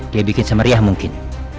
dia bikin semeriah mungkin